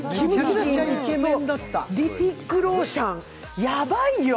リティク・ローシャン、やばいよ！